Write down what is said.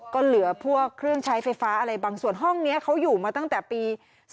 ก็เหลือพวกเครื่องใช้ไฟฟ้าอะไรบางส่วนห้องนี้เขาอยู่มาตั้งแต่ปี๒๕๖